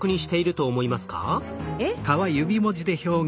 えっ？